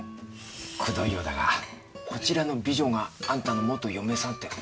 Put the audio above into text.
くどいようだがこちらの美女があんたの元嫁さんてホントか？